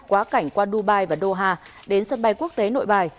quá cảnh qua dubai và doha đến sân bay quốc tế nội bài